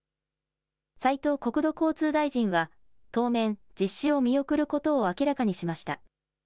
斉藤国土交通大臣は当面、実施を見送ることを明らかにしました。